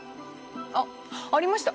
あっありました。